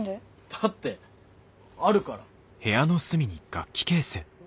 だってあるから。